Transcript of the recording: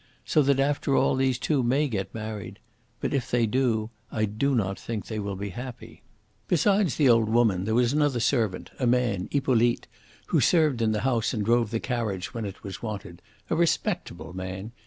So that after all these two may get married. But if they do, I do not think they will be happy. "Besides the old woman there was another servant, a man, Hippolyte, who served in the house and drove the carriage when it was wanted a respectable man.